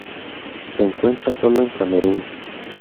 Se encuentra sólo en Camerún.